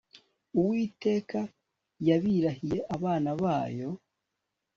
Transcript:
uwiteka yabirahiye abana bayo